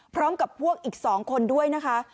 พร้อมกับพวกอีก๒คนด้วยนะคะ